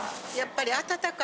やっぱり。